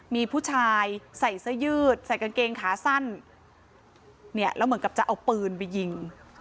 มีผู้ชายใส่เสื้อยืดใส่กางเกงขาสั้นเนี่ยแล้วเหมือนกับจะเอาปืนไปยิง